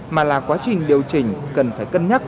mà là quá trình điều chỉnh cần phải cân nhắc